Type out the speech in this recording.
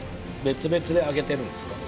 別々で揚げてるんですか？